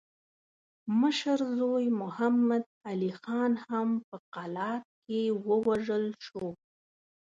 مشر زوی محمد علي خان هم په قلات کې ووژل شو.